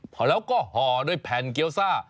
พอแล้วก็ห่อด้วยแผ่นเกี้ยวซ่า